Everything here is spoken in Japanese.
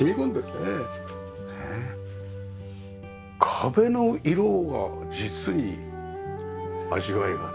壁の色が実に味わいがね。